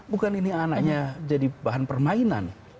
bukan ini anaknya jadi bahan permainan